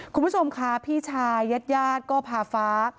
คุณผู้ชมค่ะพี่ชายญาติญาติก็พาฟ้า